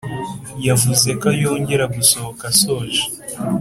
yavuze ko yongera gusohoka asoje